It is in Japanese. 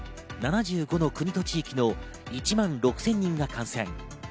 ７５の国と地域の１万６０００人が感染。